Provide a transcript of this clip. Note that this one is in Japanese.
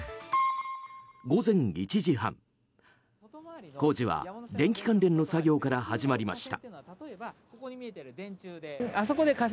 午前１時半工事は電機関連の作業から始まりました。